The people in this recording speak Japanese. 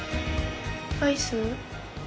アイス？